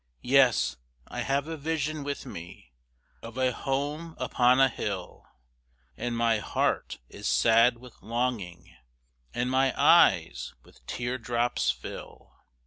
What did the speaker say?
Yes, I have a vision with me Of a home upon a hill; And my heart is sad with longing And my eyes with tear drops fill.